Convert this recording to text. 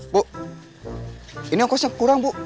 bu ini ongkosnya kurang bu